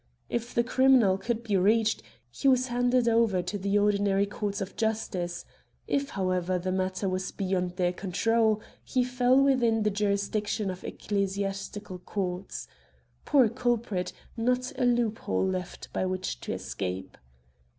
If the criminal could be reached, he was handed over to the ordinary courts of justice ; if, however, the matter was beyond their control, he fell within the jurisdiction of Ecclesiastical Courts. Poor culprit, not a loophole left by which to escape